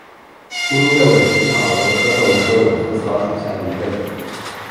心叶尾稃草为禾本科尾稃草属下的一个种。